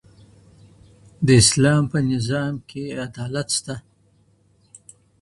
د اسلام په نظام کي عدالت سته.